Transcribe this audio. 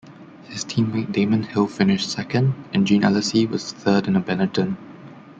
His team-mate Damon Hill finished second and Jean Alesi was third in a Benetton.